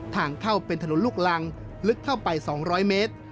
ทางเข้าเป็นถนนลูกรังลึกเข้าไป๒๐๐เมตร